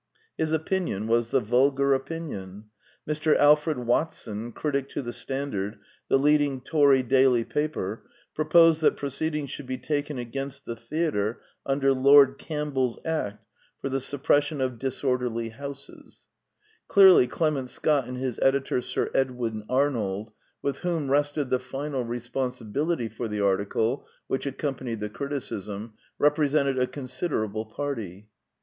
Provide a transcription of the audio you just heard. His opinion was the vulgar opinion. Mr. Alfred Watson, critic to the Standard, the leading Tory daily paper, proposed that proceedings should be taken against the theatre under Lord Campbell's Act for the suppression of disorderly 6 The Quintessence of Ibsenism houses. Clearly Clement Scott and his editor Sir Edwin Arnold, with whom rested the final responsibility for the article which accom panied the criticism, represented a considerable party.